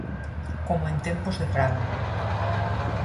Como en tempos de Fraga.